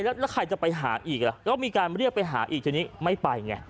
แล้วใครจะไปหาอีกล่ะก็มีการเรียกไปหาอีกทีนี้ไม่ไปไง